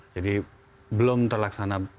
jadi belum terlaksana